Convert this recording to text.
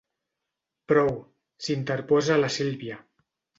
Prou! —s'interposa la Sílvia—.